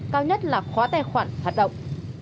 cao nhất là khóa tài khoản hoạt động